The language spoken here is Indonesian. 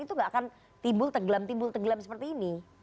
itu nggak akan timbul tegelam tegelam seperti ini